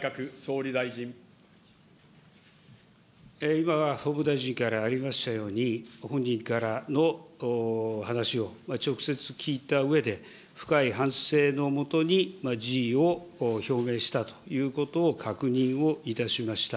今、法務大臣からありましたように、本人からの話を直接聞いたうえで、深い反省のもとに辞意を表明したということを確認をいたしました。